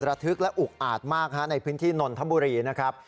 ทึกและอุกอาจมากในพื้นที่นนทบุรีนะครับ